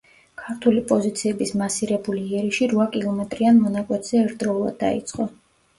ქართული პოზიციების მასირებული იერიში რვა კილომეტრიან მონაკვეთზე ერთდროულად დაიწყო.